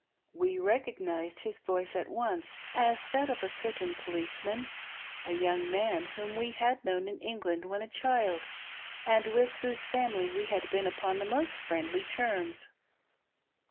We recognised his voice at once as that of a certain policeman — a young man whom we had known in England when a child, and. with whose family we had been upon the most friendly terms.